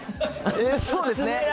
そうですね。